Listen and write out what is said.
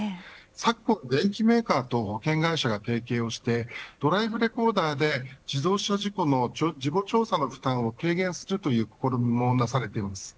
昨今、電機メーカーと保険会社が提携してドライブレコーダーで自動車事故の事故調査の負担を軽減するという試みもなされています。